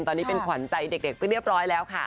ตอนนี้เป็นขวัญใจเด็กไปเรียบร้อยแล้วค่ะ